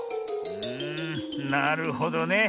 うんなるほどね。